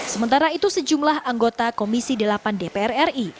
sementara itu sejumlah anggota komisi delapan dpr ri